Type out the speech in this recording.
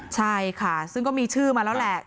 ใช่ค่ะซึ่งก็มีชื่อมาแล้วแหละ